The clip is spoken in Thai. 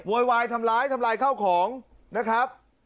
วายทำร้ายทำลายข้าวของนะครับ